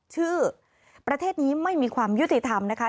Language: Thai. ชื่อประเทศนี้ไม่มีความยุติธรรมนะคะ